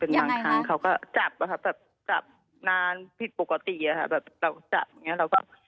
เป็นบางครั้งเขาก็จับนะครับจับนานผิดปกตินะครับ